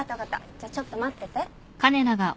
じゃあちょっと待ってて。